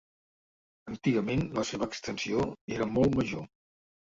Antigament la seva extensió era molt major.